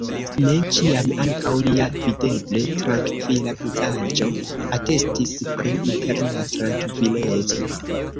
Ne ĉiam ankaŭ lia videble trankvila vizaĝo atestis pri interna trankvileco.